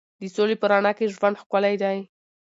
د سولې په رڼا کې ژوند ښکلی دی.